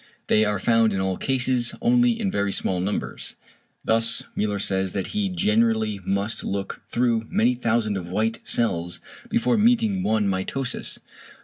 They are found in all cases only in very small numbers. Thus Müller says that he generally must look through many thousands of white cells before meeting one mitosis.